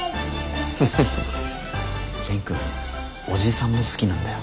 蓮くんおじさんも好きなんだよ。